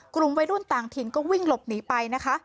กลุ่มวัยรุ่นต่างถิ่นก็วิ่งหลบหนีไปนะคะ